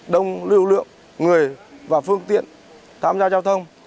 đông lưu lượng người và phương tiện tham gia giao thông